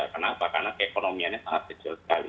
kenapa karena keekonomiannya sangat kecil sekali